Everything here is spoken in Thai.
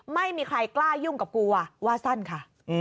ไม่มีใครกล้ายุ่งกับกลัวว่าสั้นค่ะ